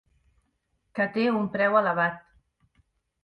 Que té un preu elevat.